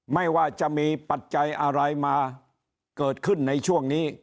ไม่ว่าจะมีปัจจัยอะไรมาเกิดขึ้นในช่วงนี้